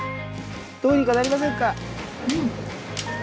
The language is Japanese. どうにかなりませんか。